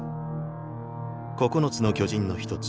九つの巨人の一つ